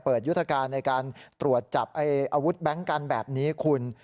ยุทธการในการตรวจจับอาวุธแก๊งกันแบบนี้คุณ